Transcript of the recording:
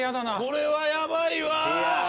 これはヤバいわ。